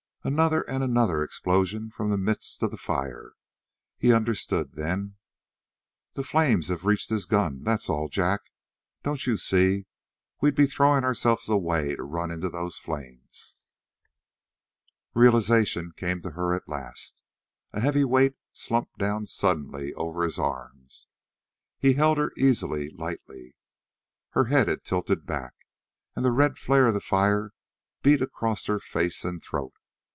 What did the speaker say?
Another and another explosion from the midst of the fire. He understood then. "The flames have reached his guns. That's all, Jack. Don't you see? We'd be throwing ourselves away to run into those flames." Realization came to her at last. A heavy weight slumped down suddenly over his arms. He held her easily, lightly. Her head had tilted back, and the red flare of the fire beat across her face and throat.